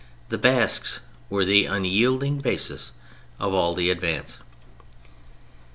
The Basques were the unyielding basis of all the advance.